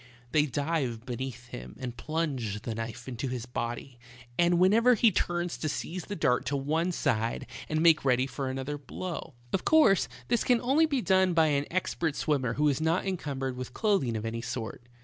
They dive beneath him and plunge the knife into his body, and whenever he turns to 68 the talking handkerchief. seize they dart to one side and make ready for another blow. Of course, this can only be done by an expert swimmer who is not encumbered with clothing of any sort.